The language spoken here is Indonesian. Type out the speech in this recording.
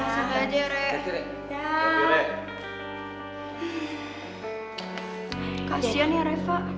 sampai jumpa aja ya re